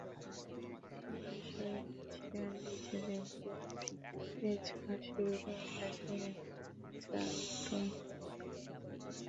এ ভাষার অধিবাসীরা নিজেদেরকে ‘পেচ’ভাষীরূপে উল্লেখ করে থাকে, যার অর্থ হচ্ছে ‘লোক’।